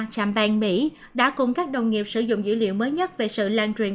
trạm bang mỹ đã cùng các đồng nghiệp sử dụng dữ liệu mới nhất về sự lan truyền